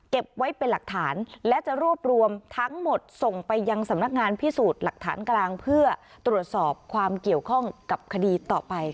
ไว้เป็นหลักฐานและจะรวบรวมทั้งหมดส่งไปยังสำนักงานพิสูจน์หลักฐานกลางเพื่อตรวจสอบความเกี่ยวข้องกับคดีต่อไปค่ะ